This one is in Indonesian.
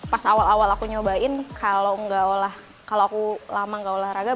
pas awal awal aku nyobain kalau aku lama gak olahraga